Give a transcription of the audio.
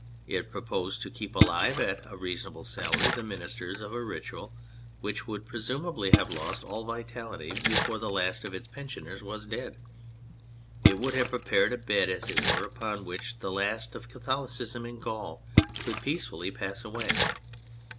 It proposed to keep alive at a reasonable salary the ministers of a ritual which w^ould pre sumably have lost all vitality before the last of its pensioners was dead ; it would have prepared a bed, as it were, upon which the last of Catholicism in Gaul could peacefully pass away.